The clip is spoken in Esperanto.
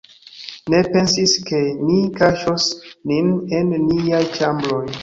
Ni pensis, ke ni kaŝos nin en niaj ĉambroj.